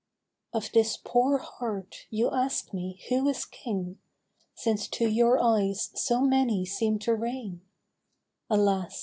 OF this poor heart you ask me who is King, Since to your eyes so many seem to reign ; Alas